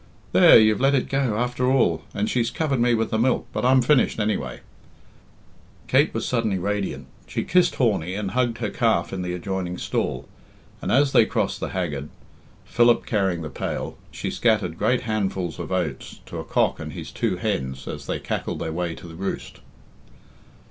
"There! You've let it go, after all, and she's covered me with the milk! But I'm finished, anyway." Kate was suddenly radiant. She kissed Horney, and hugged her calf in the adjoining stall; and as they crossed the haggard, Philip carrying the pail, she scattered great handfuls of oats to a cock and his two hens as they cackled their way to roost.